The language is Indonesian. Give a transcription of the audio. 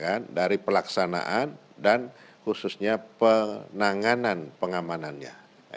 untuk penyelenggaraan pelaksanaan dan khususnya penanganan pengamanannya